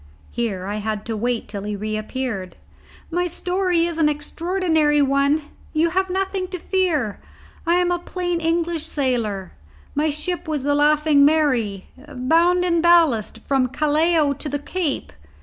Here I had to wait till he reappeared. "My story is an extraordinary one. You have nothing to fear. I am a plain English sailor; my ship was the Laughing Mary, bound in ballast from Callao to the Cape."